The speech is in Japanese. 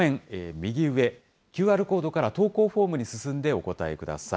右上、ＱＲコードから投稿フォームに進んでお答えください。